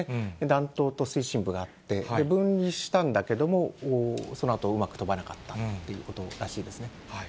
弾頭と推進部があって、分離したんだけども、そのあとうまく飛ばなかったということらしいですね。